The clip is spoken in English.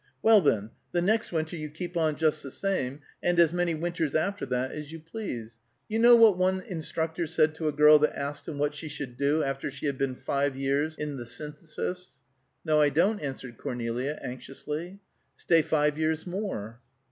Well, then, the next winter you keep on just the same, and as many winters after that as you please. You know what one instructor said to a girl that asked him what she should do after she had been five years in the Synthesis?" "No, I don't," answered Cornelia anxiously. "Stay five years more!"